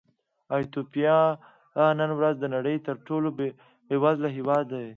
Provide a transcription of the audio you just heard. ایتوپیا نن ورځ د نړۍ تر ټولو بېوزله هېواد دی.